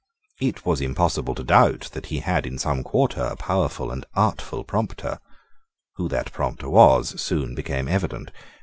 It was impossible to doubt that he had in some quarter a powerful and artful prompter. Who that prompter was soon became evident.